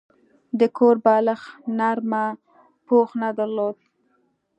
د کور بالښت نرمه پوښ نه درلوده.